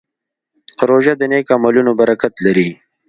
روژه د نیک عملونو برکت لري.